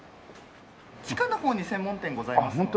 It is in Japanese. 地下の方に専門店ございますので。